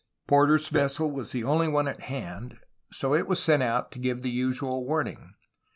Porter^s vessel was the only one at hand ; so it was sent out to give the usual warning.